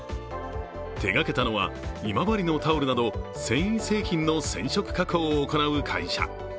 手がけたのは、今治のタオルなど繊維製品の染色加工を行う会社。